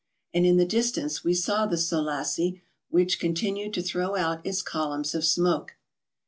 And in the distance we saw the Soelassie, which continued to throw out its columns of smoke.